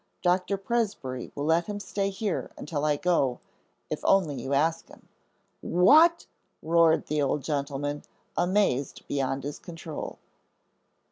Dr. Presbrey will let him stay here until I go, if you only ask him." "What?" roared the old gentleman, amazed beyond his control.